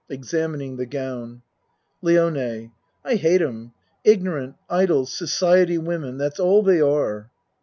(Examining the gown.) LIONE I hate 'em. Ignorant, idle, society wo men. That's all they are.